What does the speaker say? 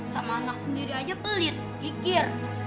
sama anak sendiri aja pelit kikir